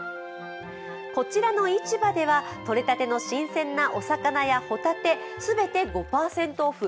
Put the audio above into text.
こちらの市場ではとれたての新鮮なお魚やほたて、全て５％オフ。